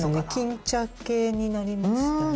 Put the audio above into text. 金茶系になりましたね。